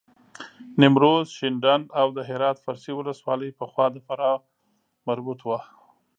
نیمروز، شینډنداو د هرات فرسي ولسوالۍ پخوا د فراه مربوط وه.